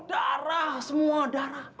darah semua darah